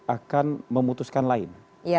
akan memutuskan lain